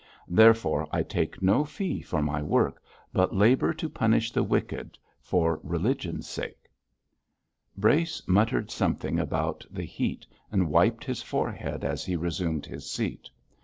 Therefore I take no fee for my work, but labour to punish the wicked, for religion's sake.' Brace muttered something about the heat, and wiped his forehead as he resumed his seat.